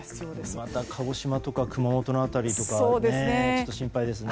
また鹿児島とか熊本の辺りとか心配ですね。